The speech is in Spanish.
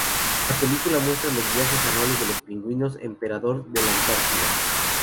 La película muestra los viajes anuales de los pingüinos emperador de la Antártida.